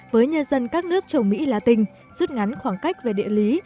với nhân dân các nước châu mỹ la tinh rút ngắn khoảng cách về địa lý